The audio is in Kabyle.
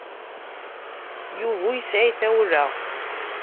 Yuba ur yesɛi tawla.